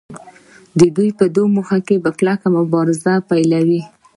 دوی په دې موخه په کلکه مبارزه پیلوي